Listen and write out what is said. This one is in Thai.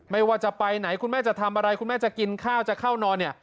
ไม่ว่าจะไปไหนคุณแม่จะทำอะไรคุณแม่จะกินข้าวจะเข้านอนเนี่ย